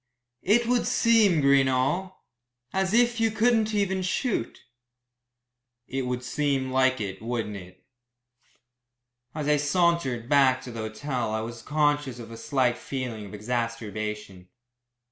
"It would seem, Greenall, as if you couldn't even shoot." "It would seem like it, wouldn't it." As I sauntered back to the hotel I was conscious of a slight feeling of exacerbation.